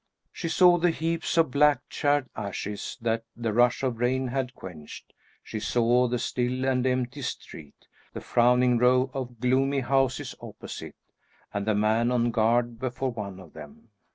She saw the heaps of black, charred ashes that the rush of rain had quenched; she saw the still and empty street; the frowning row of gloomy houses opposite, and the man on guard before one of them.